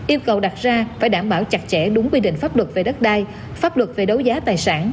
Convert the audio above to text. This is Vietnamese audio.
yêu cầu đặt ra phải đảm bảo chặt chẽ đúng quy định pháp luật về đất đai pháp luật về đấu giá tài sản